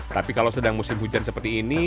tapi kalau sedang musim hujan seperti ini